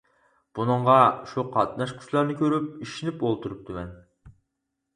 بۇنىڭغا شۇ قاتناشقۇچىلارنى كۆرۈپ ئىشىنىپ ئولتۇرۇپتىمەن!